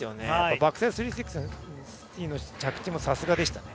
バックサイド３６０の着地もさすがでしたね。